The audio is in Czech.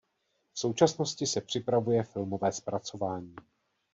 V současnosti se připravuje filmové zpracování.